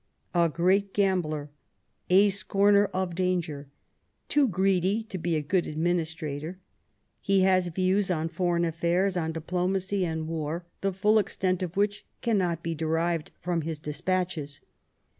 "A great gambler, a scomer of danger, too greedy to be a good administrator ... he has views on foreign affairs, on diplomacy and war, the full extent of which cannot be derived from his despatches.